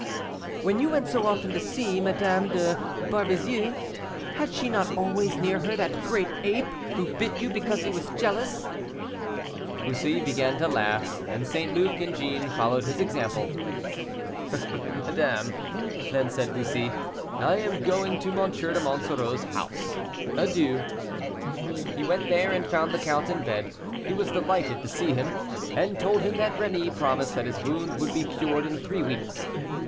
"When you went so often to see Madame de Barbezieux, had she not always near her that great ape who bit you because he was jealous?" Bussy began to laugh, and St. Luc and Jeanne followed his example. "Madame," then said Bussy, "I am going to M. de Monsoreau's house; adieu." He went there, and found the count in bed; he was delighted to see him, and told him that Rémy promised that his wound would be cured in three weeks.